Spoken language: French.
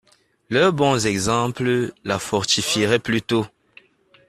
Leurs bons exemples la fortifieraient plutôt.